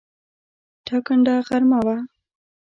ټاکنده غرمه وه.